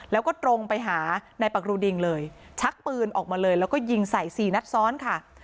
แล้วก็ตรงไปหานายปักรูดิงเลยชักปืนออกมาเลยแล้วก็ยิงใส่สี่นัดซ้อนค่ะ